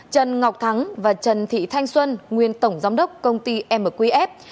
trần ngọc thắng và trần thị thanh xuân nguyên tổng giám đốc công ty mqf